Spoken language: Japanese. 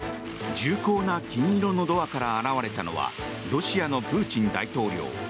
そんな中、日本時間昨日夜重厚な金色のドアから現れたのはロシアのプーチン大統領。